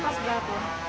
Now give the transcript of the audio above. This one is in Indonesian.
sekarang kelas berapa